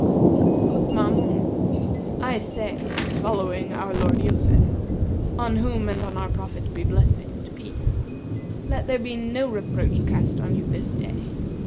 Quoth Maamun, 'I say, following our lord Joseph (on whom and on our Prophet be blessing and peace!) let there be no reproach cast on you this day.